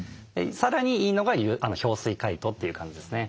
さらにいいのが氷水解凍という感じですね。